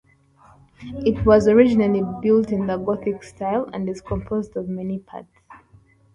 It was originally built in the Gothic style and is composed of many parts.